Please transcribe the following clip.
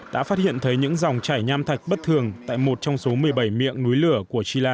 đã phát hiện thấy những dòng chảy nham thạch bất thường tại một trong số một mươi bảy miệng núi lửa của chila